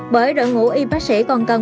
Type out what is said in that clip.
bởi đội ngũ y bác sĩ còn cần